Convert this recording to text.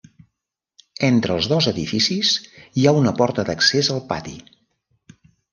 Entre els dos edificis hi ha una porta d'accés al pati.